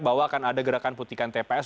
bahwa akan ada gerakan putihkan tps